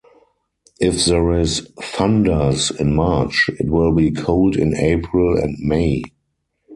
If there is thunders in March, it will be cold in April and May.